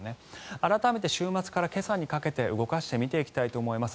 改めて週末から今朝にかけて動かしていきたいと思います。